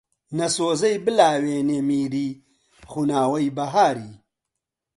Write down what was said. نە سۆزەی بلاوێنی میری، خوناوەی بەهاری